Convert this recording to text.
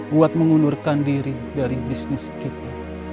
buat mengundurkan diri dari bisnis kita